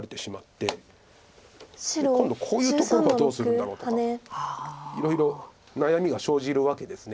今度こういうところはどうするんだろうとかいろいろ悩みが生じるわけです。